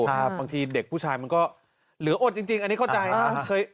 บางทีเด็กผู้ชายมันก็เหลืออดจริงอันนี้เข้าใจ